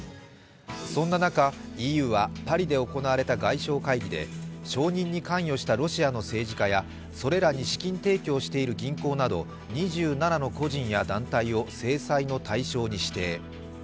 そんな中、ＥＵはパリで行われた外相会議で承認に関与したロシアの政治家やそれらに資金提供している銀行など２７の個人や団体を制裁の対象に指定。